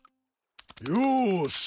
よし！